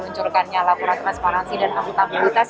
luncurkannya laporan transparansi dan akuntabilitas